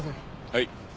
はい。